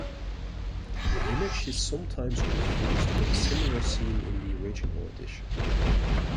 The image is sometimes confused with a similar scene in the original edition.